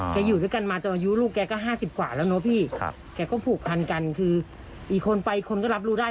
อยู่ด้วยกันมาจนอายุลูกแกก็๕๐กว่าแล้วเนอะพี่แกก็ผูกพันกันคืออีกคนไปคนก็รับรู้ได้